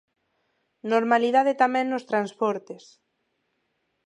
Normalidade tamén nos transportes.